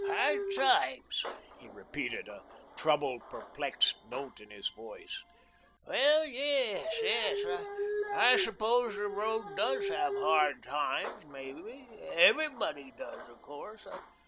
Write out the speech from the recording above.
"Hard times," he repeated, a troubled, perplexed note in his voice; "well, yes yes. I suppose the road DOES have hard times, maybe. Everybody does of course.